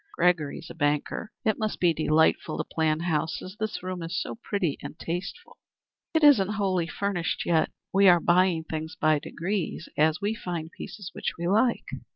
Gregory's a banker. It must be delightful to plan houses. This room is so pretty and tasteful." "It isn't wholly furnished yet. We are buying things by degrees, as we find pieces which we like."